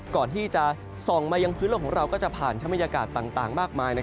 ก่อนที่จะส่องมายังพื้นโลกของเราก็จะผ่านชะบรรยากาศต่างมากมาย